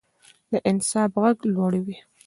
د انصاف غږ لوړ وي